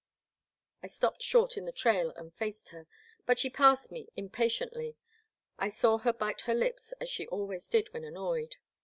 I stopped short in the trail and faced her, but she passed me impatiently. I saw her bite her lips as she always did when annoyed.